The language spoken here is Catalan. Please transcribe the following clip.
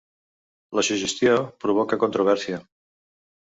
La suggestió provoca controvèrsia.